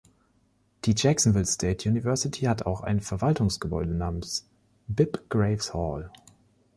Die Jacksonville State University hat auch ein Verwaltungsgebäude namens Bibb Graves Hall.